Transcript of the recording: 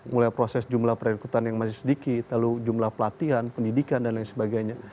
mulai proses jumlah perekrutan yang masih sedikit lalu jumlah pelatihan pendidikan dan lain sebagainya